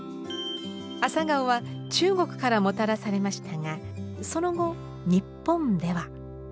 アサガオは中国からもたらされましたがその後日本では。